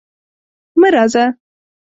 مه راځه!